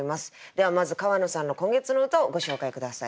ではまず川野さんの今月の歌をご紹介下さい。